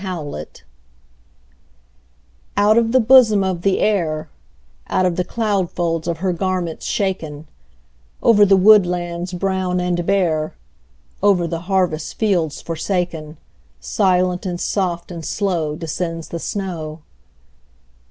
SNOW FLAKES Out of the bosom of the Air, Out of the cloud folds of her garments shaken, Over the woodlands brown and bare, Over the harvest fields forsaken, Silent, and soft, and slow Descends the snow.